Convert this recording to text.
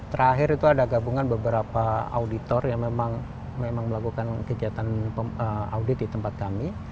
terakhir itu ada gabungan beberapa auditor yang memang melakukan kegiatan audit di tempat kami